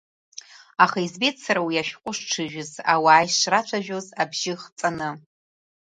Аха избеит сара уи ашәҟәы шҽыжәыз, ауаа ишрацәажәоз абжьы хҵаны.